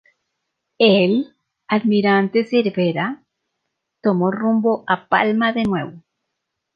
El "Almirante Cervera" tomó rumbo a Palma de nuevo.